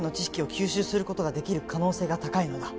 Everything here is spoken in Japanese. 「吸収することができる可能性が高いのだ」